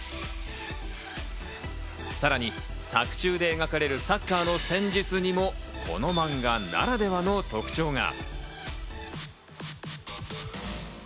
さらに作中で描かれるサッカーの戦術にもこのマンガならではの特徴が。